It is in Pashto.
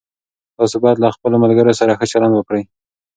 تاسو باید له خپلو ملګرو سره ښه چلند وکړئ.